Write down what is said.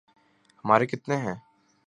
ہمارے کتنے ہیں۔